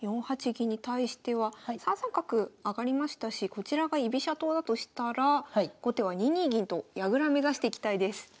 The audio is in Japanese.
４八銀に対しては３三角上がりましたしこちらが居飛車党だとしたら後手は２二銀と矢倉目指していきたいです。